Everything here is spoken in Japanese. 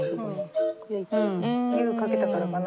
湯かけたからかな？